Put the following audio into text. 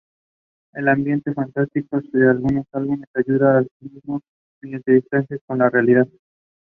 The depots supported all branches of the United States Armed Forces.